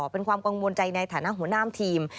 เป็นความกังวลใจในฐานะหัวหน้ามทีม